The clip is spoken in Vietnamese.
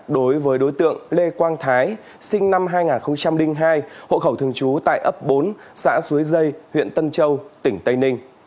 đối với đối tượng lê quang thái sinh năm hai nghìn hai hộ khẩu thường trú tại ấp bốn xã suối dây huyện tân châu tỉnh tây ninh